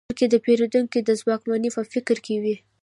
بلکې د پېرودونکو د ځواکمنۍ په فکر کې وي.